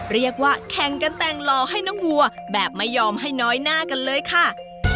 เรียกว่าแข่งกันแต่งหล่อให้น้องวัวแบบไม่ยอมให้น้อยหน้ากันเลยค่ะ